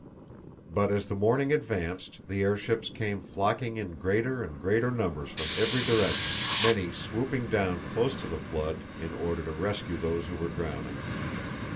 But as the morning advanced the airships came flocking in greater and greater numbers from every direction, many swooping down close to the flood in order to rescue those who were drowning.